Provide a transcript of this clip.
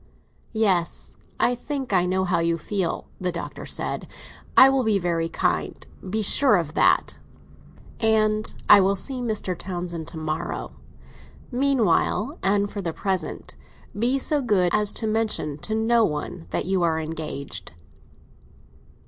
"Yes, I think I know how you feel," the Doctor said. "I will be very kind—be sure of that. And I will see Mr. Townsend to morrow. Meanwhile, and for the present, be so good as to mention to no one that you are engaged."